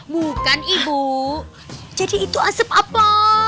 bukan ibu jadi itu asap apel